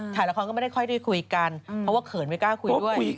ถ่ายละครก็ไม่ได้ค่อยได้คุยกันเพราะว่าเขินไม่กล้าคุยด้วย